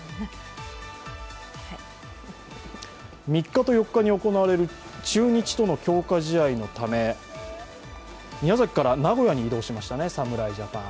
３日と４日に行われる中日との強化試合のため宮崎から名古屋に移動しましたね、侍ジャパン。